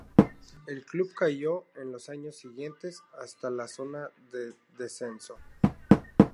El club cayó en los años siguientes, hasta la zona de descenso.